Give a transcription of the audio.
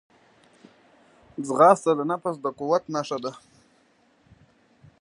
ځغاسته د نفس د قوت نښه ده